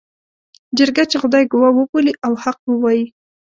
جرګه چې خدای ګواه وبولي او حق ووايي.